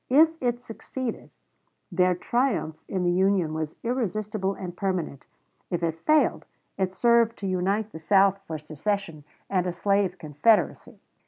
If it succeeded, their triumph in the Union was irresistible and permanent; if it failed, it served to unite the South for secession and a slave confederacy.